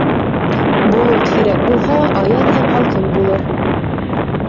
Болот һирәк булһа, аяҙ һәм һалҡын булыр.